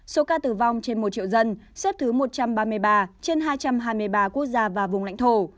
số ca tử vong trên một triệu dân xếp thứ một trăm ba mươi ba trên hai trăm hai mươi ba quốc gia và vùng lãnh thổ